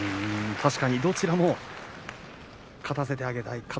確かにどちらも勝たせてあげたい。